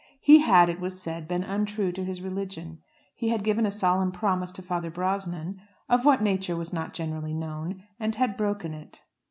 He had, it was said, been untrue to his religion. He had given a solemn promise to Father Brosnan, of what nature was not generally known, and had broken it.